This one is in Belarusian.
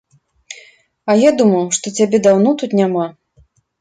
А я думаў, што цябе даўно тут няма.